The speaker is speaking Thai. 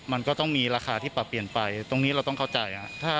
มันก็ต้องมีราคาที่ปรับเปลี่ยนไปตรงนี้เราต้องเข้าใจ